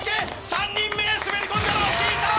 ３人目滑り込んだのはちーたー！